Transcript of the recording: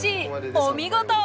お見事！